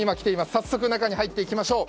早速中に入っていきましょう。